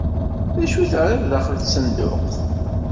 D acu i terriḍ daxel n tsenduqt?